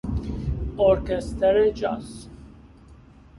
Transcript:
ارکستر جاز